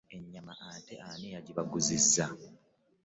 Ennyama ate ani yagibaguzizza?